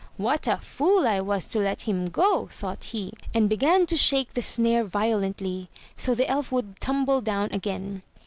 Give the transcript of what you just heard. What a fool I was to let him go!" thought he, and began to shake the snare violently, so the elf would tumble down again.